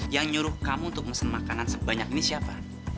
yang nyuruh kamu untuk mesen makanan sebanyak ini siapa